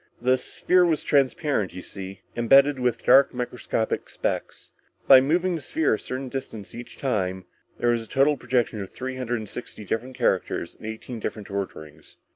The sphere was transparent, you see, imbedded with dark microscopic specks. By moving the sphere a certain distance each time, there was a total projection of three hundred and sixty different characters in eighteen different orderings.